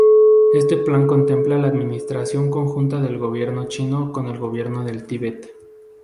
Este plan contemplaba la administración conjunta del gobierno chino con el gobierno del Tíbet.